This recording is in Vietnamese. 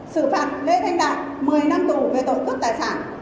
sử phạt lê thanh đại một mươi năm tù về tội cướp tài sản